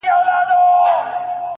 o ځوان د تکي زرغونې وني نه لاندي ـ